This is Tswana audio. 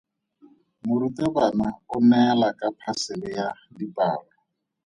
Morutabana o neela ka phasele ya dipalo.